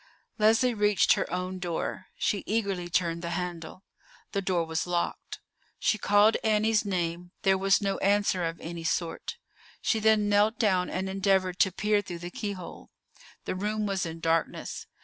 Leslie reached her own door; she eagerly turned the handle. The door was locked. She called Annie's name; there was no answer of any sort. She then knelt down and endeavored to peer through the keyhole. The room was in darkness.